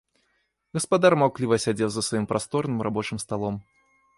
Гаспадар маўкліва сядзеў за сваім прасторным рабочым сталом.